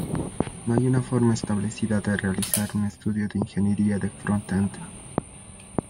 No hay una forma establecida de realizar un estudio de ingeniería de "front-end".